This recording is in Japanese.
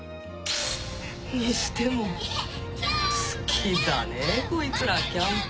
にしても好きだねぇこいつらキャンプ